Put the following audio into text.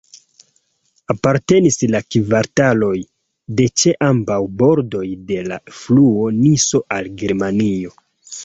Apartenis la kvartaloj de ĉe ambaŭ bordoj de la fluo Niso al Germanio.